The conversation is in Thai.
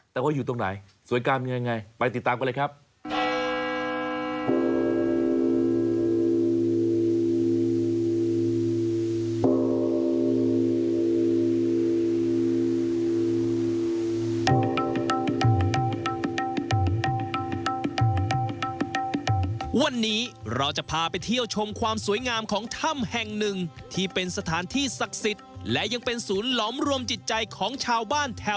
แต่ว่าอยู่ตรงไหนสวยงามยังไงไปติดตามกันเลยครับ